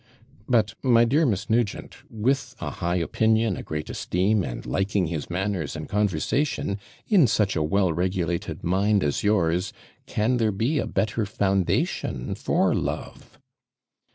'But, my dear Miss Nugent, with a high opinion, a great esteem, and liking his manners and conversation, in such a well regulated mind as yours, can there be a better foundation for love?'